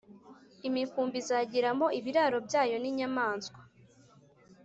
Imikumbi izagiramo ibiraro byayo n inyamaswa